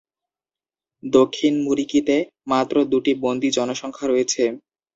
দক্ষিণ মুরিকিতে মাত্র দুটি বন্দী জনসংখ্যা রয়েছে।